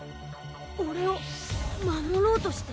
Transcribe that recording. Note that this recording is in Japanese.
俺を守ろうとして。